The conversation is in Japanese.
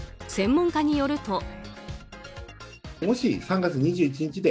専門家によると。